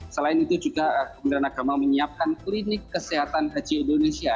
selain itu juga kementerian agama menyiapkan klinik kesehatan haji indonesia